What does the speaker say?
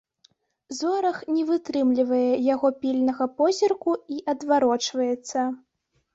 Зорах не вытрымлівае яго пільнага позірку і адварочваецца.